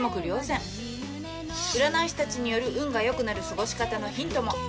占い師たちによる運が良くなる過ごし方のヒントも。